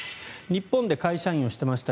日本で会社員をしてました。